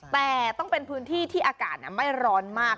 แต่ต้องเป็นพื้นที่ที่อากาศไม่ร้อนมาก